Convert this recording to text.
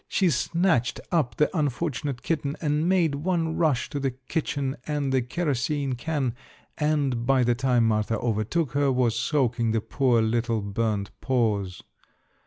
She snatched up the unfortunate kitten and made one rush to the kitchen and the kerosene can, and by the time Martha overtook her, was soaking the poor little burned paws.